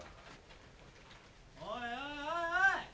おいおいおいおい！